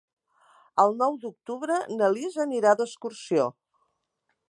El nou d'octubre na Lis anirà d'excursió.